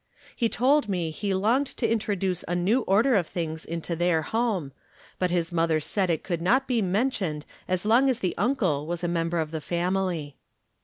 He told me he longed to introduce a new order of things into their home, but his mother said it could not be mentioned as long as the uncle was a member of the family.